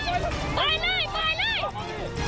เก็บไปหน่อย